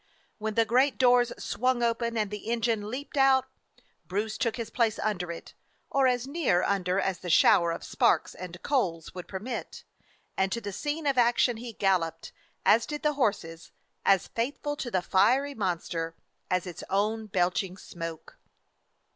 When the great doors swung open and the engine leaped out, Bruce took his place under it, or as near under as the shower of sparks and coals would permit ; and to the scene of action he galloped as did the horses, as faithful to the fiery mon ster as its own belching smoke.